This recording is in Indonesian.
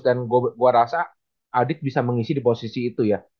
dan gua rasa adik bisa mengisi di posisi itu ya